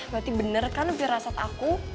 berarti bener kan firasat aku